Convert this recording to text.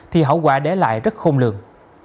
thì hậu quả để lại rất không lường